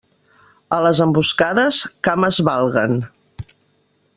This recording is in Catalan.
A les emboscades, cames valguen.